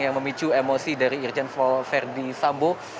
yang memicu emosi dari irjen paul verdi sambo